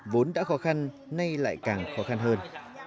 vốn đã khó khăn nay lại càng khó khăn hơn